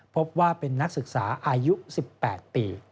พบว่าเป็นนักศึกษาอายุ๑๘ปี